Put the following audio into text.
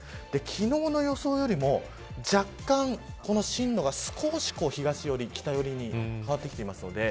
昨日の予想よりも若干、この進路が少し東より北寄りに変わってきています。